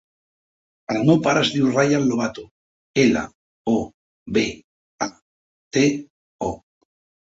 El meu pare es diu Rayan Lobato: ela, o, be, a, te, o.